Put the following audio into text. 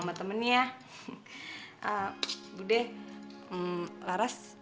oh ada budi di teras